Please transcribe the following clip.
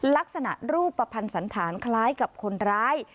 ลักษณะรูปประพันธ์สันฐานคล้ายกับคนร้าย